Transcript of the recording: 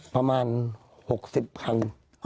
ประมาณ๖๐คัน